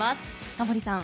タモリさん